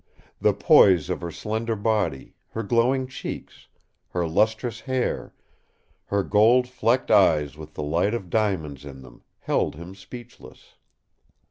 The poise of her slender body, her glowing cheeks, her lustrous hair, her gold flecked eyes with the light of diamonds in them, held him speechless.